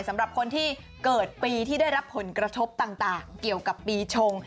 สำหรับคนที่เกิดปีที่ได้รับผลกระทบต่างเกี่ยวกับปีชง